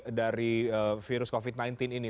dari virus covid sembilan belas ini